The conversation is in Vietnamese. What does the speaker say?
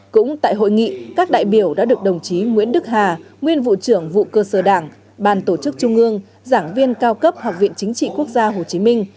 cũng tại hội nghị các đại biểu đã được đồng chí nguyễn đức hà nguyên vụ trưởng vụ cơ sở đảng ban tổ chức trung ương giảng viên cao cấp học viện chính trị quốc gia hồ chí minh